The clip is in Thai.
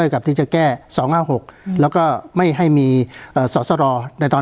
การแสดงความคิดเห็น